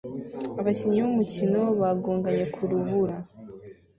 Abakinnyi b'umukino bagonganye ku rubura